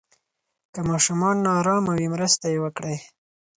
که ماشوم نا آرامه وي، مرسته یې وکړئ.